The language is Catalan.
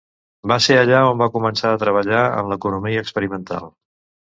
Va ser allà on va començar a treballar en l'economia experimental.